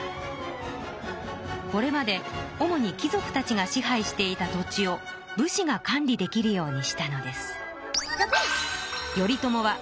これまで主にき族たちが支配していた土地を武士が管理できるようにしたのです。